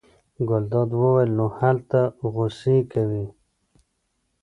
ګلداد وویل: نو هلته غوسې کوې.